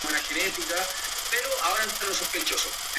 Desde entonces colaboró con multitud de cantaores.